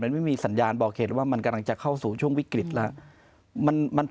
ไม่มีสัญญาณบอกเหตุว่ามันกำลังจะเข้าสู่ช่วงวิกฤตแล้ว